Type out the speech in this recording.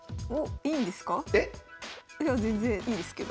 いや全然いいですけど。